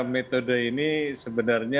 metode ini sebenarnya